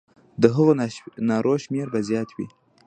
د هغو نارو شمېر به زیات وي.